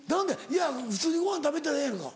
いや普通にごはん食べたらええやんか。